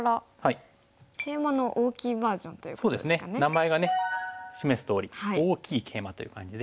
名前がね示すとおり大きいケイマという感じで。